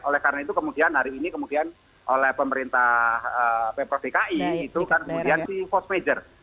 oleh karena itu kemudian hari ini kemudian oleh pemerintah dki itu kan kemudian si force major